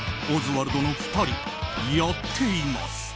オズワルドの２人、やっています。